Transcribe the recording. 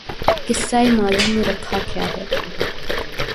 قصہ ماضی میں رکھا کیا ہے